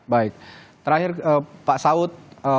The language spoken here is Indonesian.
baik terakhir pak saud